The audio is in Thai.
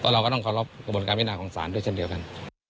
เราก็ต้องเคารพกระบวนการวินาของศาลด้วยเช่นเดียวกัน